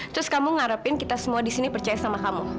terus kamu ngarepin kita semua di sini percaya sama kamu